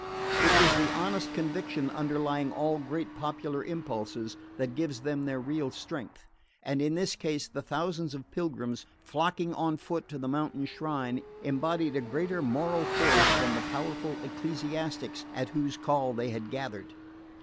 It is the honest conviction underlying all great popular impulses that gives them their real strength; and in this case the thousands of pilgrims flocking on foot to the mountain shrine embodied a greater moral force than the powerful ecclesiastics at whose call they had gathered.